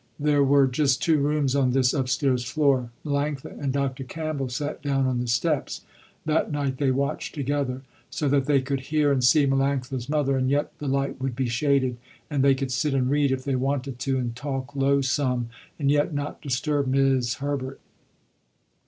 There were just two rooms on this upstairs floor. Melanctha and Dr. Campbell sat down on the steps, that night they watched together, so that they could hear and see Melanctha's mother and yet the light would be shaded, and they could sit and read, if they wanted to, and talk low some, and yet not disturb 'Mis' Herbert.